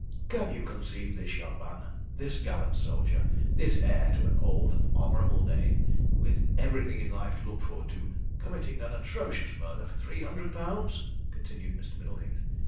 "Can you conceive this young man, this gallant soldier, this heir to an old and honourable name, with everything in life to look forward to, committing an atrocious murder for £300?" continued Mr. Middleheath.